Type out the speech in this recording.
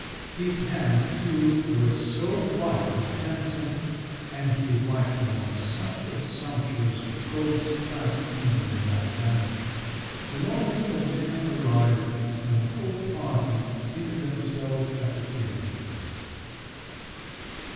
His hands, too, were so white and handsome, and he wiped them on such a sumptuous, gold striped, Indian bandana! The moment of dinner arrived, and the whole party seated themselves at the table.